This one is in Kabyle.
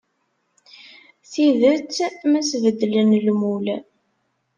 Tidet ma ad as-beddleɣ lmul.